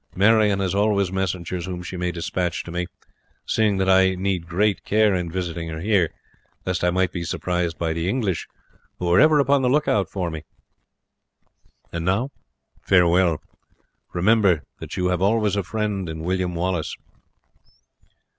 Marion has always messengers whom she may despatch to me, seeing that I need great care in visiting her here, lest I might be surprised by the English, who are ever upon the lookout for me. And now farewell! Remember that you have always a friend in William Wallace."